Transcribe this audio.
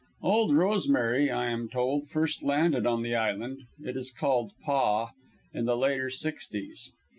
"Old Rosemary," I am told, first landed on the island it is called Paa in the later '60's.